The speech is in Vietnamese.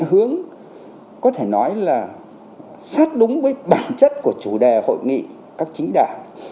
hướng có thể nói là sát đúng với bản chất của chủ đề hội nghị các chính đảng